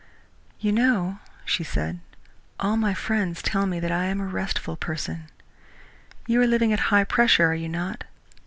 "You know," she said, "all my friends tell me that I am a restful person. You are living at high pressure, are you not?